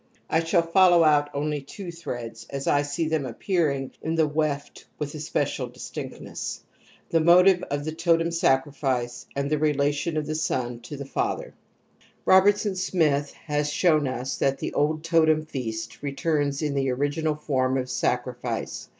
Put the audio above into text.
I shall follow out only two threads as I see them appearing in the weft with especial distinctness :, the motive of thetpt^m sacriiice . and tiie xelatioa of the. ^n to the Robertson Smith has shown us that the old totem feast returns in the original form of sac rifice.